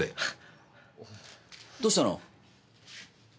どうしたの？